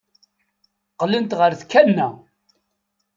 Qqlent ɣer tkanna.